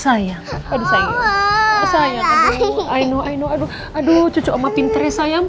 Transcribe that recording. aduh cucuk oma pinternya sayang